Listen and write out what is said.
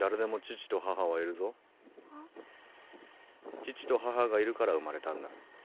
父と母がいるから生まれたんだ。